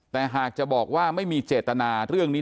แต่หากจะบอกว่าไม่มีเจตนาเรื่องนี้